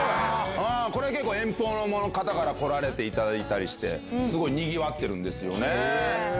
これは遠方の方来られていただいたりしてすごいにぎわってるんですよね。